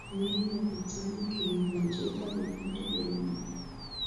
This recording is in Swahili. meli ya titanic ilivunjika vipande viwili